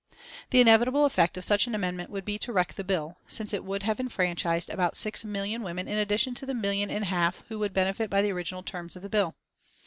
The inevitable effect of such an amendment would be to wreck the bill, since it would have enfranchised about 6,000,000 women in addition to the million and a half who would benefit by the original terms of the bill.